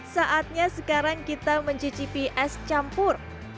saatnya sekarang kita mencicipi es campur